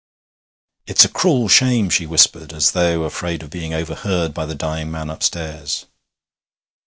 'It's a cruel shame!' she whispered, as though afraid of being overheard by the dying man upstairs.